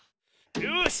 よし。